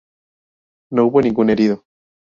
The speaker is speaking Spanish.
No hubo ningún herido.